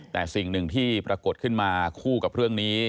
แต่สิ่งหนึ่งที่ปรากฏขึ้นมาคู่กับเรื่องนี้